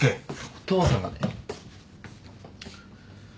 お父さんがね。